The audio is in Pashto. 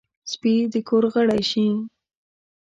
سپي د کور غړی شي.